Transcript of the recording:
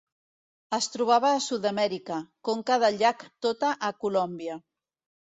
Es trobava a Sud-amèrica: conca del llac Tota a Colòmbia.